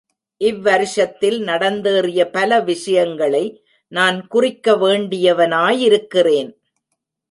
இவ்வருஷத்தில் நடந்தேறிய பல விஷயங்களை நான் குறிக்க வேண்டியவனாயிருக்கிறேன்.